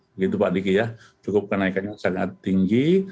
begitu pak diki ya cukup kenaikannya sangat tinggi